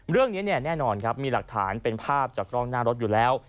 เรื่องนี้แน่นอนครับมีหลักฐานเป็นภาพจากกล้องหน้ารถอยู่แล้ว